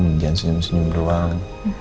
jangan senyum senyum doang